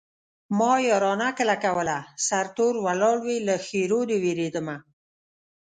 ما يارانه کله کوله سرتور ولاړ وې له ښېرو دې وېرېدمه